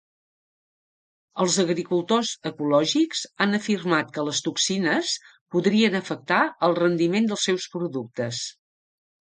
Els agricultors ecològics han afirmat que les toxines podrien afectar el rendiment dels seus productes.